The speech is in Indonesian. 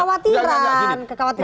nah itu tadi ada kekhawatiran